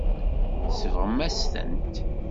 Tsebɣem-as-tent.